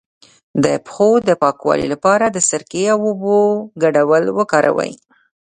د پښو د پاکوالي لپاره د سرکې او اوبو ګډول وکاروئ